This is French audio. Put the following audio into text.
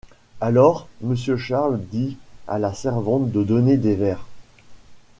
Alors, Monsieur Charles dit à la servante de donner des verres.